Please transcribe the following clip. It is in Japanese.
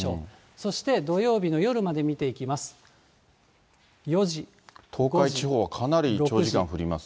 そして土曜日の夜まで見ていきます。